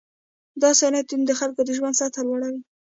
دا صنعتونه د خلکو د ژوند سطحه لوړوي.